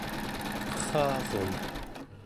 qerrarun